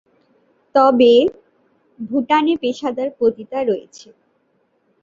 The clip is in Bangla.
তবে ভুটানে পেশাদার পতিতা রয়েছে।